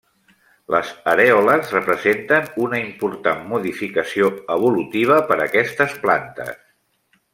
Les arèoles representen una important modificació evolutiva per a aquestes plantes.